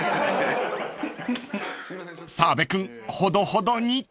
［澤部君ほどほどに］